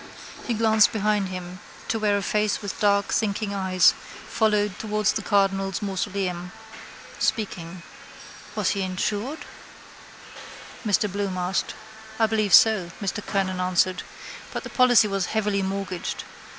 He glanced behind him to where a face with dark thinking eyes followed towards the cardinal's mausoleum. Speaking. —Was he insured? Mr Bloom asked. —I believe so, Mr Kernan answered. But the policy was heavily mortgaged.